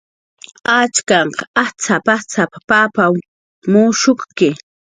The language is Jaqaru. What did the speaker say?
"Achkanh ajtz'ap"" ajtz'ap"" pap suqn mushukki"